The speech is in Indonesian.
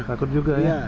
sakut juga ya